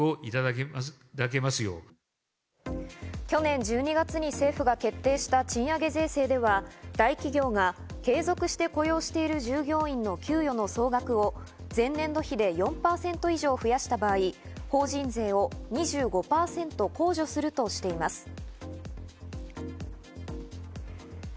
去年１２月に政府が決定した賃上げ税制では、大企業が継続して雇用している従業員の給与の総額を前年度比で４％以上増やした場合、法人税を２５％控除するとしています。